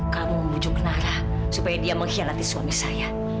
kamu membujuk narah supaya dia mengkhianati suami saya